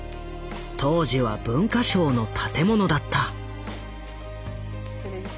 当時は文化省の建物だった。